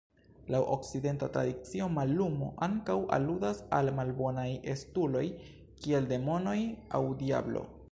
Laŭ Okcidenta tradicio, mallumo ankaŭ aludas al malbonaj estuloj, kiel demonoj aŭ Diablo.